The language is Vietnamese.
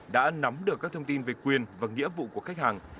đã nắm được các thông tin về quyền và nghĩa vụ của khách hàng